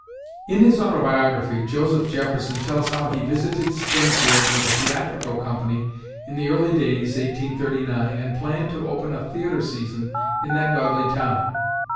In his Autobiography, Joseph Jefferson tells how he visited Springfield with a theatrical company in the early days (1839) and planned to open a theatrical season in that godly town.